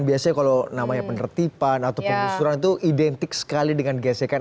biasanya kalau namanya penertiban atau pengusuran itu identik sekali dengan gesekan